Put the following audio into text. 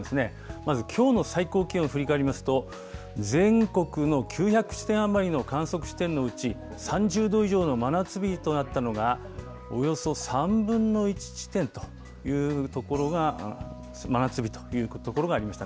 まずきょうの最高気温を振り返りますと、全国の９００地点余りの観測地点のうち、３０度以上の真夏日となったのが、およそ３分の１地点という所が、真夏日という所がありました、